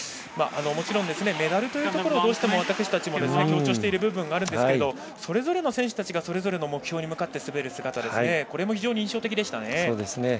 もちろんメダルというところをどうしても私たち強調している部分があるんですがそれぞれの選手たちがそれぞれの目標に向かって滑る姿も非常に印象的でしたね。